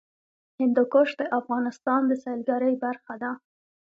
هندوکش د افغانستان د سیلګرۍ برخه ده.